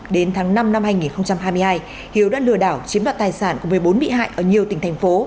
đến tháng năm năm hai nghìn hai mươi hai hiếu đã lừa đảo chiếm đoạt tài sản của một mươi bốn bị hại ở nhiều tỉnh thành phố